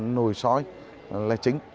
nổi soi là chính